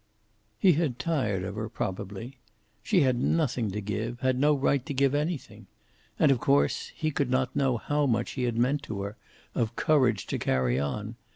He had tired of her, probably. She had nothing to give, had no right to give anything. And, of course, he could not know how much he had meant to her, of courage to carry on.